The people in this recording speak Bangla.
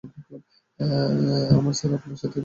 আমার স্যার আপনার সাথে দেখা করতে চান।